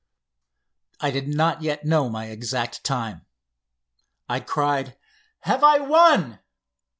I did not yet know my exact time. I cried: "Have I won?"